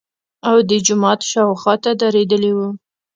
او د جومات شاوخواته درېدلي وو.